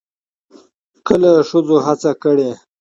کله ښځو هڅه کړې